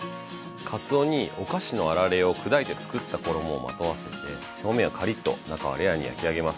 かつおにお菓子のあられを砕いて作った衣をまとわせて表面はカリッと中はレアに焼き上げます。